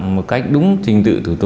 một cách đúng trình tự